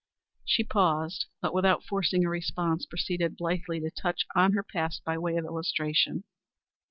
She paused, but without forcing a response, proceeded blithely to touch on her past by way of illustration.